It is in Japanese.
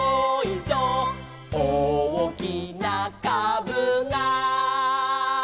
「おおきなかぶが」